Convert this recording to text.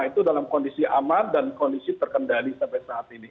itu dalam kondisi aman dan kondisi terkendali sampai saat ini